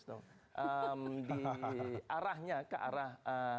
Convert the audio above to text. di arahnya ke arah lima ribu enam ratus